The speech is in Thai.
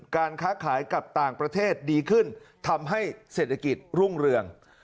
การค้าขายกับต่างประเทศดีขึ้นทำให้เศรษฐกิจรุ่งเรือง